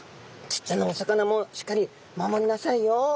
ちっちゃなお魚もしっかり守りなさいよ。